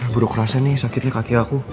buruk kerasa nih sakitnya kaki aku